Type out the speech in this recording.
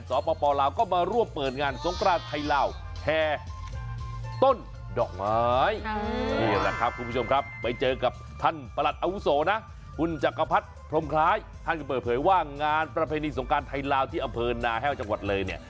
ท้านก็เปิดเผยว่างงานประเพณีสงคราศไทยลาวที่ะเผินนาแฮวจังหวัดเลยเนี้ย